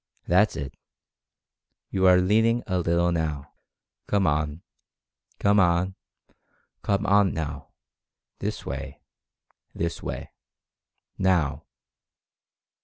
That's it, you are leaning a little now. Come on, come on, come on now, this way, this way. NOW